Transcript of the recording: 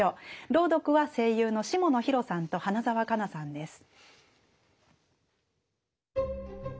朗読は声優の下野紘さんと花澤香菜さんです。